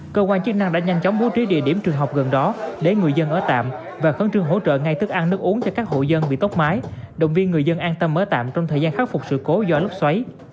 cơ quan chức năng đã nhanh chóng bố trí địa điểm trường học gần đó để người dân ở tạm và khấn trương hỗ trợ ngay tức ăn nước uống cho các hộ dân bị tốc mái động viên người dân an tâm mới tạm trong thời gian khắc phục sự cố do lốc xoáy